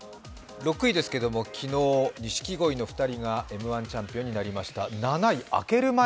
６位ですけども、昨日、錦鯉の２人がＭ−１チャンピオンになりました。